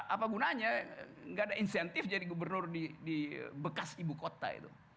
apa gunanya nggak ada insentif jadi gubernur di bekas ibu kota itu